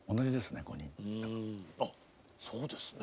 そうですね。